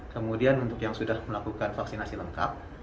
kemudian untuk yang sudah melakukan vaksinasi lengkap